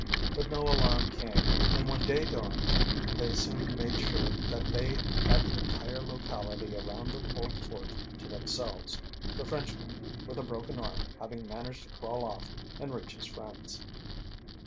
But no alarm came, and when day, dawned they soon made sure that they had the entire locality around the old fort to themselves, the Frenchman with a broken arm having managed to crawl off and reach his friends.